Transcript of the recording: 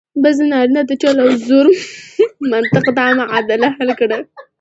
بس د نارینه د چل او زور منطق دا معادله حل کړه.